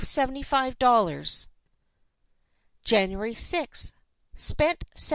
00 (Seventy five dollars). "January sixth. Spent $70.